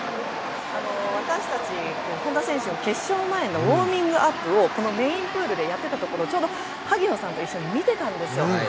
私たち、本多選手の決勝前のウォーミングアップをこのメインプールでやっていたところをちょうど萩野さんと一緒に見ていたんですよ。